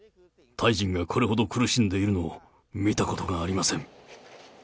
タイ人がこれほど苦しんでいるのを見たことがありません。